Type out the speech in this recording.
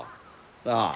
なあ？